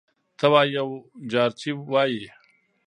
ته وا یو جارچي وايي: